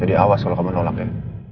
jadi awas kalau kamu nolak ya